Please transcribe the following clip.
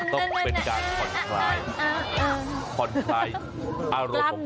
ต้องเป็นการคอนไคร่คอนไคร่อารมณ์แบบแก